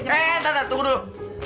eh entar entar tunggu dulu